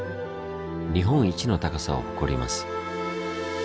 日本一の高さを誇ります。